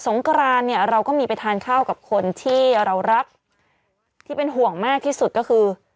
งกรานเนี่ยเราก็มีไปทานข้าวกับคนที่เรารักที่เป็นห่วงมากที่สุดก็คือ